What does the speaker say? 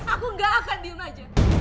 aku gak akan diem aja